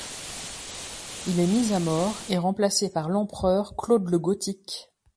Il est mis à mort et remplacé par l’empereur Claude le Gothique.